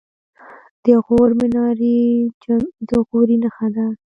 د غور منارې جمعې د غوري نښه ده